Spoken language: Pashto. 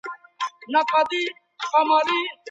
په لاس لیکلنه د ټولني پر افکارو اغیز کولای سي.